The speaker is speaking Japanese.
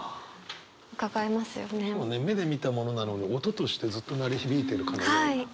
目で見たものなのに音としてずっと鳴り響いてるかのような。